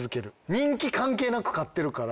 人気関係なく買ってるから。